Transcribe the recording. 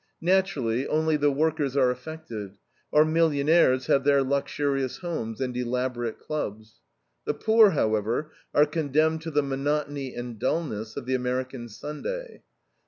Naturally, only the workers are affected: our millionaires have their luxurious homes and elaborate clubs. The poor, however, are condemned to the monotony and dullness of the American Sunday.